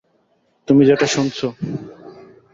তুমি যেটা শুনেছ।